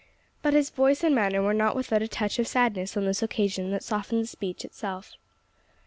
But his voice and manner were not without a touch of sadness on this occasion that softened the speech itself.